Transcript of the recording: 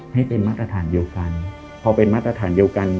ให้เป็นมาตรฐานเดียวกัน